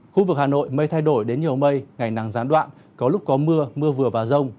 khu vực hà nội mây thay đổi đến nhiều mây ngày nắng gián đoạn có lúc có mưa mưa vừa và rông